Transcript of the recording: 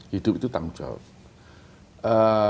hidup itu tanggung jawab